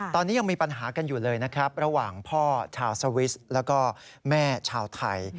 ตอนนี้ยังมีปัญหากันอยู่เลยนะครับระหว่างพ่อชาวสวิสแล้วก็แม่ชาวไทย